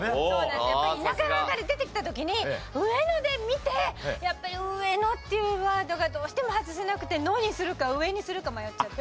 やっぱり田舎から出てきた時に上野で見てやっぱり上野っていうワードがどうしても外せなくて「野」にするか「上」にするか迷っちゃった。